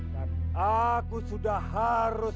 dan aku sudah harus